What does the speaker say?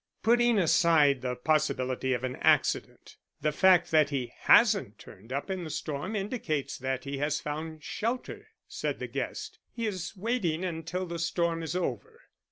"Putting aside the possibility of an accident, the fact that he hasn't turned up in the storm indicates that he has found shelter," said the guest. "He is waiting until the storm is over."